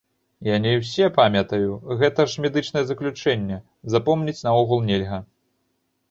Я не ўсе памятаю, гэта ж медычнае заключэнне, запомніць наогул нельга.